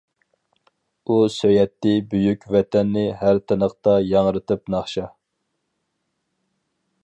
ئۇ سۆيەتتى بۈيۈك ۋەتەننى ھەر تىنىقتا ياڭرىتىپ ناخشا.